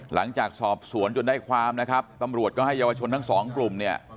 หลังจากสอบสวนจนได้ความนะครับตำรวจก็ให้เยาวชนทั้งสองกลุ่มเนี่ย